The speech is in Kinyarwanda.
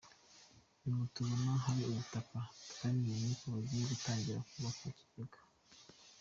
Nyuma tubona ahari ubutaka twemeranya ko bagiye gutangira kubaka ikigega.